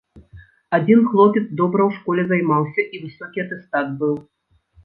Адзін хлопец добра ў школе займаўся і высокі атэстат быў.